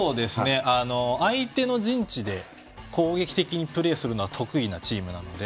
相手の陣地で攻撃的にプレーするのが得意なチームなので。